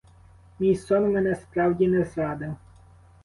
Мій сон мене справді не зрадив.